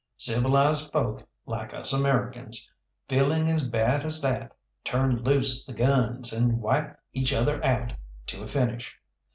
Civilised folk like us Americans, feeling as bad as that, turn loose the guns, and wipe each other out to a finish.